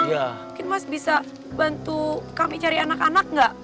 mungkin mas bisa bantu kami cari anak anak nggak